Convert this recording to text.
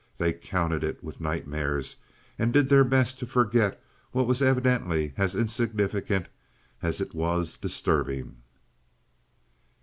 They counted it with nightmares, and did their best to forget what was evidently as insignificant as it was disturbing.